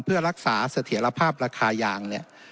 เพื่อรักษาเสถียรภาพราคายางเนี่ย